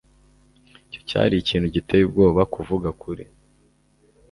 Icyo cyari ikintu giteye ubwoba kuvuga kuri .